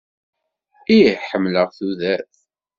Ih ḥemmleɣ tudert!